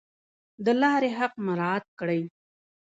د لارې حق مراعات کړئ